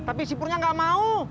tapi si purnya gak mau